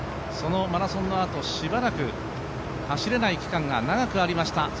そのマラソンのあと、しばらく走れない期間が長くありました。